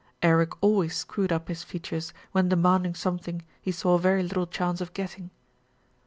Eric always screwed up his features when demanding some thing he saw very little chance of getting.